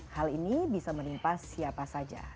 hal ini bisa menimpa siapa saja